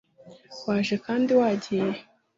waje kandi wagiye